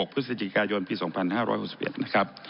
พฤศจิกายนปี๒๕๖๑นะครับ